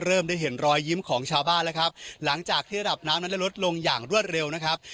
เริ่มได้เห็นรอยยิ้มของชาวบ้านแล้วครับหลังจากที่ระดับน้ำนั้นได้ลดลงอย่างรวดเร็วนะครับ